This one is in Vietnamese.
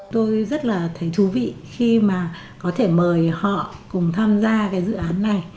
tôi rất là thấy thú vị khi mà có thể mời họ cùng tham gia cái dự án này